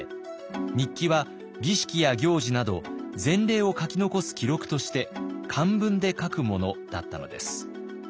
日記は儀式や行事など前例を書き残す記録として漢文で書くものだったのです。